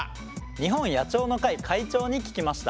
日本野鳥の会会長に聞きました。